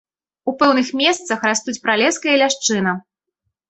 У пэўных месцах растуць пралеска і ляшчына.